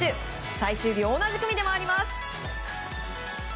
最終日、同じ組で回ります。